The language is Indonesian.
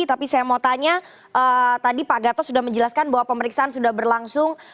tapi saya mau tanya tadi pak gatot sudah menjelaskan bahwa pemeriksaan sudah berlangsung